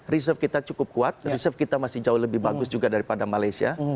reserve kita cukup kuat reserve kita masih jauh lebih bagus juga daripada malaysia